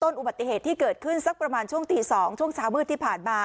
อุบัติเหตุที่เกิดขึ้นสักประมาณช่วงตี๒ช่วงเช้ามืดที่ผ่านมา